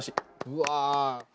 うわ！